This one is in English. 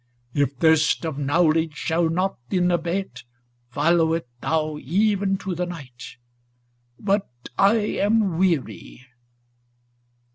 ' If thirst of knowledge shall not then abate, Follow it thou even to the night; but I Am weary.'